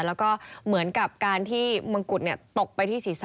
แล้วก็เหมือนกับการที่มงกุฎตกไปที่ศีรษะ